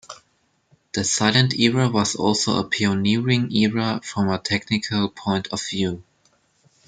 The silent era was also pioneering era from a technical point of view.